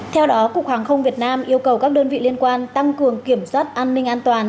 theo đó cục hàng không việt nam yêu cầu các đơn vị liên quan tăng cường kiểm soát an ninh an toàn